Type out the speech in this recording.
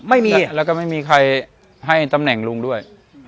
ไม่มีแล้วก็ไม่มีใครให้ตำแหน่งลุงด้วย